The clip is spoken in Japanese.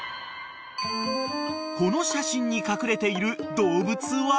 ［この写真に隠れている動物は？］